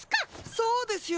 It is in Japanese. そうですよ。